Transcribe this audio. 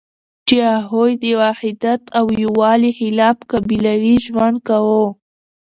چی هغوی د وحدت او یوالی خلاف قبیلوی ژوند کاوه